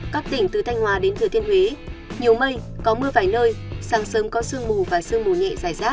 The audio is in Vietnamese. các tỉnh từ thanh hòa đến thừa thiên huế nhiều mây có mưa vài nơi sáng sớm có sương mù và sương mù nhẹ dài rác